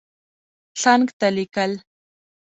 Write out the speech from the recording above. څنګ ته لیکل